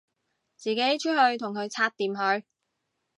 自己出去同佢拆掂佢